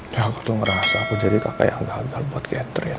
ya aku tuh ngerasa aku jadi kakak yang gagal buat catherine